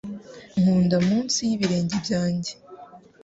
Nkunda munsi y'ibirenge byanjye